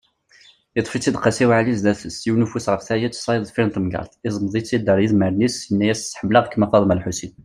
Yeṭṭef-itt-id Qasi waɛli zdat-s, yiwen ufus ɣef wayet, tayeḍ deffir n temgerḍt, iẓmeḍ-itt-id ar yidmaren-is, yenna-yas: Ḥemmleɣ-kem a Faḍma lḥusin.